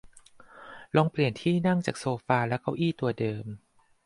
ลองเปลี่ยนที่นั่งจากโซฟาและเก้าอี้ตัวเดิม